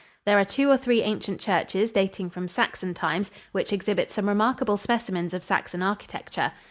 There are two or three ancient churches dating from Saxon times which exhibit some remarkable specimens of Saxon architecture.